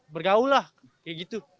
bergaul lah kayak gitu